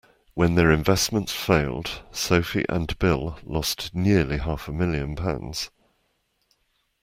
When their investments failed, Sophie and Bill lost nearly half a million pounds